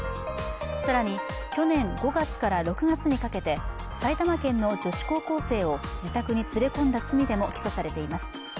更に、去年５月から６月にかけて埼玉県の女子高校生を自宅に連れ込んだ罪でも起訴されています。